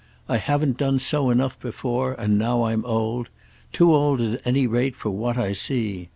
I haven't done so enough before—and now I'm old; too old at any rate for what I see.